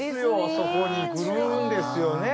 そこに来るんですよね。